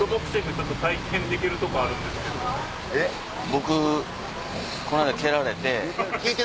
僕この間蹴られて。